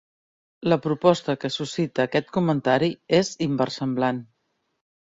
La proposta que suscita aquest comentari és inversemblant.